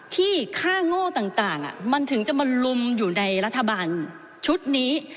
ที่ค่าโง่ต่างมันถึงจะมาลุมอยู่ในรัฐบาลชุดนี้